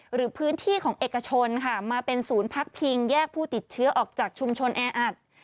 หรือพื้นที่ของเอกชนค่ะมาเป็นศูนย์พักพิงแยกผู้ติดเชื้อออกจากชุมชนแออัด